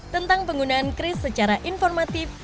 tentang penggunaan kris secara informatif